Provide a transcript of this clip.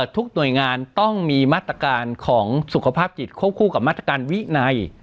ทุกหน่วยงานต้องมีมาตรการของสุขภาพจิตควบคู่กับมาตรการวินัย